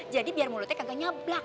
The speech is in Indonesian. jadi biar mulutnya kagak nyeblak